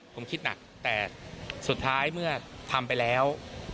ผมคิดหนักแต่สุดท้ายเมื่อทำไปแล้ว